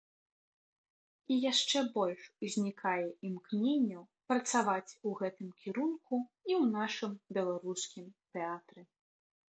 І яшчэ больш узнікае імкненняў працаваць у гэтым кірунку і ў нашым беларускім тэатры.